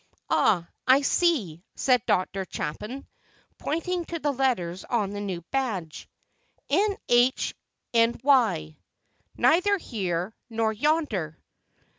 "Ah, I see," said Dr. Chapin, pointing to the letters on the new badge, "N. H., N. Y., 'Neither Here, Nor Yonder."